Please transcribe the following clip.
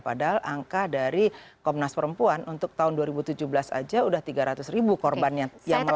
padahal angka dari komnas perempuan untuk tahun dua ribu tujuh belas aja udah tiga ratus ribu korban yang melapor